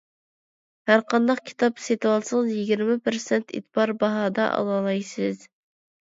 ھەرقانداق كىتاب سېتىۋالسىڭىز، يىگىرمە پىرسەنت ئېتىبار باھادا ئالالايسىز.